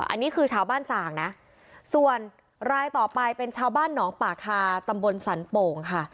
อันนี้คือชาวบ้านส่างนะส่วนรายต่อไปเป็นชาวบ้านหนองป่าคาตำบลสันโป่งค่ะ